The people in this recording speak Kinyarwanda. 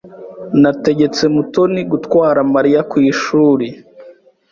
Nategetse Mutoni gutwara Mariya ku ishuri.